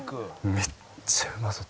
「めっちゃうまそう」